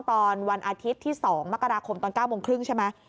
ตอนวันอาทิตย์ที่๒มกราคมตอน๙โมงครึ่งใช่ไหม